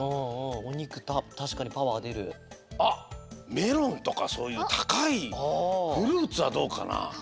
メロンとかそういうたかいフルーツはどうかな？